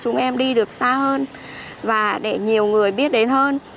chúng em đi được xa hơn và để nhiều người biết đến hơn